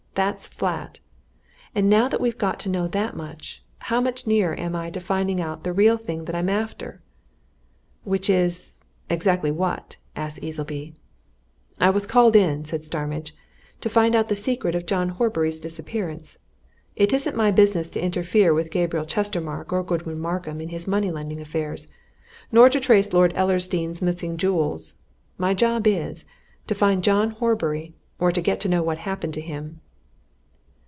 That's flat! And now that we've got to know that much, how much nearer am I to finding out the real thing that I'm after?" "Which is exactly what?" asked Easleby. "I was called in," answered Starmidge, "to find out the secret of John Horbury's disappearance. It isn't my business to interfere with Gabriel Chestermarke or Godwin Markham in his money lending affairs nor to trace Lord Ellersdeane's missing jewels. My job is to find John Horbury, or to get to know what happened to him."